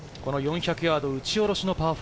４００ヤード打ち下ろしのパー４。